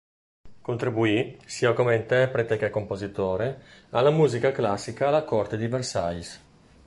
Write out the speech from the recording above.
Contribuì, sia come interprete che compositore, alla musica classica alla corte di Versailles.